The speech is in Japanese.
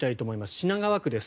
品川区です。